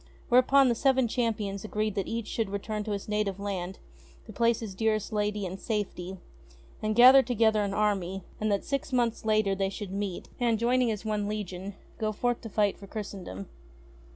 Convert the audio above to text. Whereupon the Seven Champions agreed that each should return to his native land to place his dearest lady In safety, and gather together an army, and that six months later they should meet, and, joining as one legion, go forth to fight for Christendom.